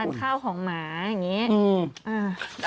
ไปถึงจานข้าวของหมาอย่างนี้